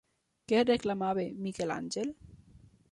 Què reclamava Miquel Àngel?